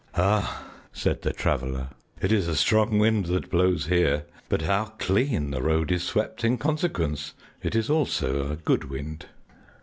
"Ah," said the Traveler, "it is a strong wind that blows here; but how clean the road is swept in consequence! It is also a good wind."